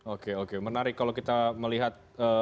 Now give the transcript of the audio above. oke oke menarik kalau kita melihat